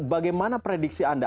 bagaimana prediksi anda